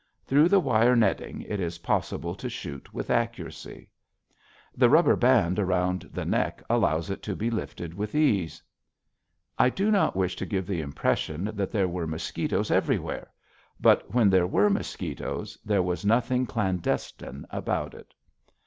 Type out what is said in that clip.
Through the wire netting, it is possible to shoot with accuracy. The rubber band round the neck allows it to be lifted with ease. I do not wish to give the impression that there were mosquitoes everywhere. But when there were mosquitoes, there was nothing clandestine about it.